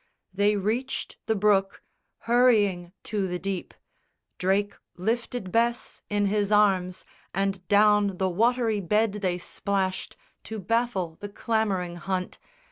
They reached the brook, Hurrying to the deep. Drake lifted Bess In his arms, and down the watery bed they splashed To baffle the clamouring hunt.